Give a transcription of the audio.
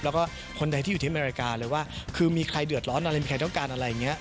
แล้วก็คนใดที่อยู่ที่อเมริกาเลยว่าคือมีใครเดือดร้อนอะไรมีใครต้องการอะไรอย่างนี้